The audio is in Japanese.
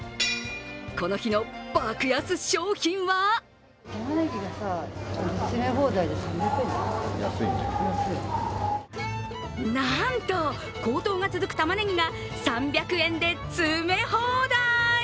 この日の爆安商品はなんと高騰が続くたまねぎが３００円で詰め放題。